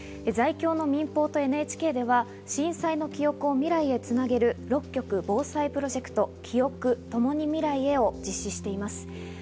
在京の民放とＮＨＫでは震災の記憶を未来へつなげる６局防災プロジェクト「キオク、ともに未来へ。」を実施しています。